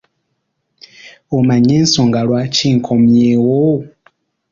Omanyi ensonga lwaki nkomyewo?